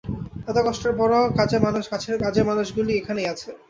এত কষ্টের পরও কাজের মানুষগুলি এখানেই আছে।